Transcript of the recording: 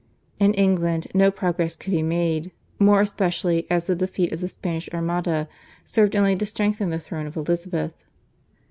In England no progress could be made, more especially as the defeat of the Spanish Armada served only to strengthen the throne of Elizabeth.